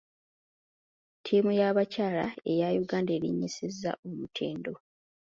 Ttiimu y'abakyala eya Uganda erinnyisiza omutindo.